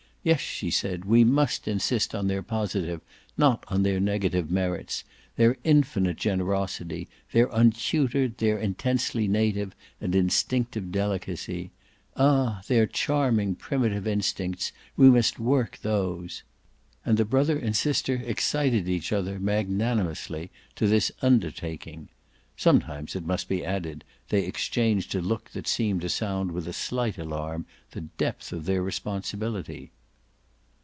"Yes," she said, "we must insist on their positive, not on their negative merits: their infinite generosity, their untutored, their intensely native and instinctive delicacy. Ah their charming primitive instincts we must work those!" And the brother and sister excited each other magnanimously to this undertaking. Sometimes, it must be added, they exchanged a look that seemed to sound with a slight alarm the depth of their responsibility.